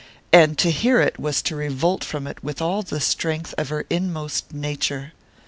And to hear it was to revolt from it with all the strength of her inmost nature.